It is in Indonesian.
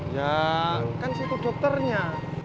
ya kan situ dokternya